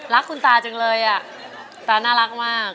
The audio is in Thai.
คุณตาจังเลยอ่ะตาน่ารักมาก